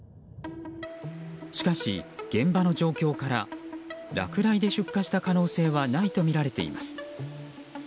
しかし、現場の状況から落雷で出火した可能性はないとみられています。